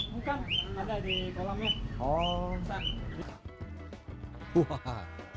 bukan ada di kolamnya